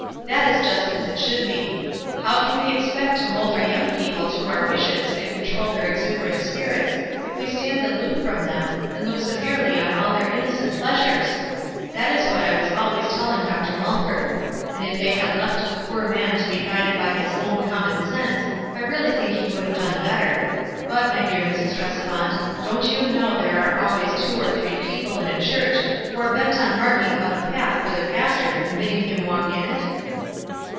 That is just as it should be. How can wc ex 230 WISE AND OTHERWISE pect to mold our young people to our wishes and control their exuberant spirits if we stand aloof from them, and look severely on all their innocent pleasures ? That is what I was always telling Dr. Mulford ; and if they had left the poor man to be guided by his own common sense I really think he would have done better ; but, my dear Mrs. Tresevant, don't you know there are always two or three people in a church who are bent on marking out a path for their pastor and bidding him walk in it?"